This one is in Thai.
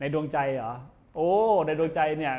ดวงใจเหรอโอ้ในดวงใจเนี่ย